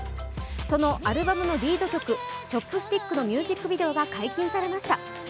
そのアルバムのリード曲「Ｃｈｏｐｓｔｉｃｋ」のミュージックビデオが解禁されました。